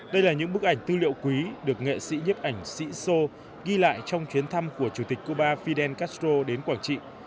đây là những bức ảnh tư liệu quý được nghệ sĩ nhấp ảnh sĩ sô ghi lại trong chuyến thăm của chủ tịch cuba fidel castro đến quảng trị